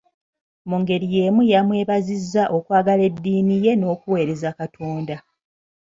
Mu ngeri yemu yamwebazizza okwagala eddiini ye n'okuweereza Katonda.